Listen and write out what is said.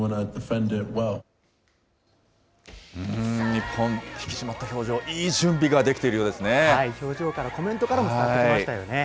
日本、引き締まった表情、表情から、コメントからも伝わってきましたよね。